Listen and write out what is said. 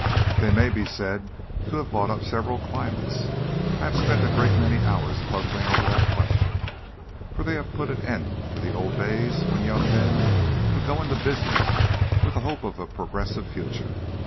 "They may be said to have bought up several climates. I have spent a great many hours puzzling over that question, for they have put an end to the old days when young men could go into business with the hope of a progressive future.